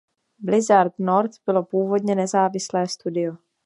Blizzard North bylo původně nezávislé studio.